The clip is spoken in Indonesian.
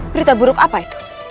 berita buruk apa itu